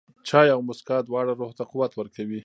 چای او موسکا، دواړه روح ته قوت ورکوي.